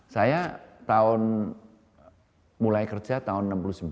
saya mulai kerja tahun seribu sembilan ratus enam puluh sembilan